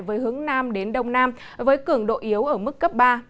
với hướng nam đến đông nam với cường độ yếu ở mức cấp ba